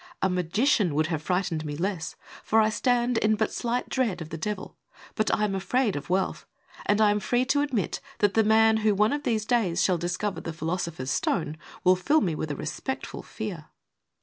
A magician would have frightened me less, for I stand in but slight dread of the devil, but I am afraid of wealth, and I am free to admit that the man who one of these days shall discover the philoso pher's stone will fill me with a respectful fear.